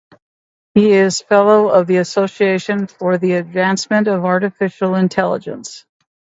He is a fellow of the Association for the Advancement of Artificial Intelligence.